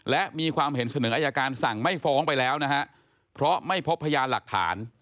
และมีความเห็นเสนออัยการสั่งไม่ฟ้องไปแล้วนะฮะ